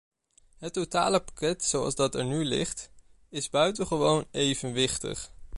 Het totale pakket zoals dat er nu ligt, is buitengewoon evenwichtig.